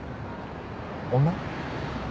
女？